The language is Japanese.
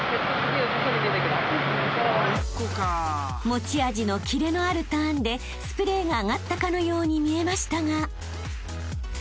［持ち味のキレのあるターンでスプレーが上がったかのように見えましたが］